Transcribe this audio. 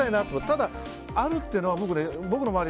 ただ、あるというのは僕の周り